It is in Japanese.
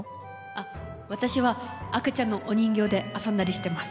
あっ私は赤ちゃんのお人形で遊んだりしてます。